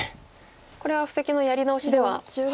これは布石のやり直しではない。